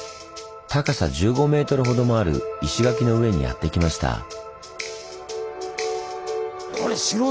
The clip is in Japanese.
高さ１５ｍほどもある石垣の上にやって来ました。